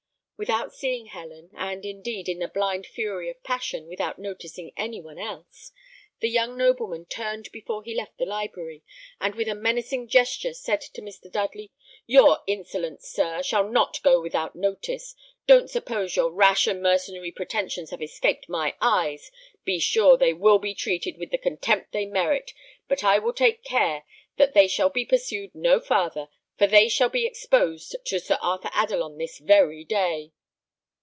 Without seeing Helen, and, indeed, in the blind fury of passion, without noticing any one else, the young nobleman turned before he left the library, and with a menacing gesture, said to Mr. Dudley: "Your insolence, sir, shall not go without notice. Don't suppose your rash and mercenary pretensions have escaped my eyes. Be you sure they will be treated with the contempt they merit; but I will take care that they shall be pursued no farther, for they shall be exposed to Sir Arthur Adelon this very day."